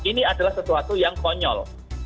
ini adalah sesuatu yang konyol